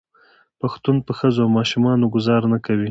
پښتون په ښځو او ماشومانو ګذار نه کوي.